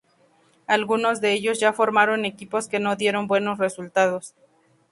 Algunos de ellos ya formaron equipos que no dieron buenos resultados.